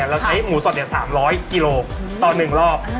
เราใช้หมูสด๓๐๐กิโลต่อ๑รอบ